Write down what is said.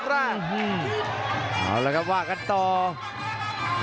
สตานท์ภพล็อกนายเกียรติป้องยุทเทียร์